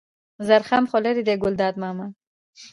زرخم خو لېرې دی ګلداد ماما.